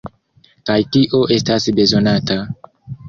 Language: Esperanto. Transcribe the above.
Kaj kio estas bezonata?